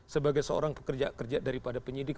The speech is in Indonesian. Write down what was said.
sebagai seorang pekerja kerja daripada penyidik